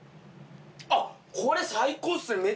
あっこれ最高ですね。